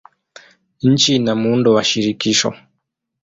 Nchi ina muundo wa shirikisho.